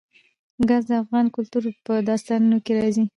ګاز د افغان کلتور په داستانونو کې راځي.